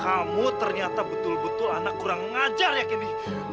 kamu ternyata betul betul anak kurang ngajar ya candy